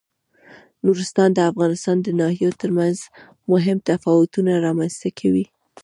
نورستان د افغانستان د ناحیو ترمنځ مهم تفاوتونه رامنځ ته کوي.